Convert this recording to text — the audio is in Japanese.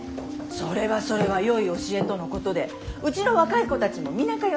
それはそれはよい教えとのことでうちの若い子たちも皆通ってて。